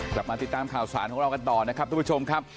กลับมาติดตามข่าวสารของเรากันต่อนะครับทุกผู้ชมครับ